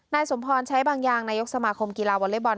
นายสมธรณ์ใช้บางอย่างนายกสมธ์มสมาคมกีฬาวอเวิลเล็กบอล